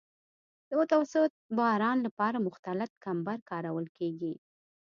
د متوسط باران لپاره مختلط کمبر کارول کیږي